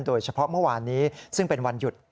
โดยเฉพาะเมื่อวานนี้ซึ่งเป็นวันหยุด